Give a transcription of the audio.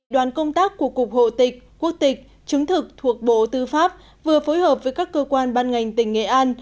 đoàn công tác của cục hộ tịch quốc tịch chứng thực thuộc bộ tư pháp vừa phối hợp với các cơ quan ban ngành tỉnh nghệ an